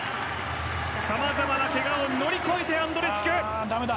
さまざまなけがを乗り越えてアンドレチク！